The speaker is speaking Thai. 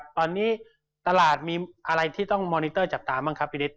ตอนนี้ตลาดมีอะไรที่ต้องมอนิเตอร์จับตาบ้างครับพี่นิด